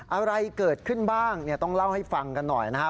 อะไรเกิดขึ้นบ้างเนี่ยต้องเล่าให้ฟังกันหน่อยนะครับ